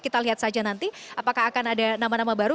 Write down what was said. kita lihat saja nanti apakah akan ada nama nama baru